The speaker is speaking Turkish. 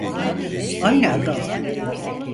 Aynı adam.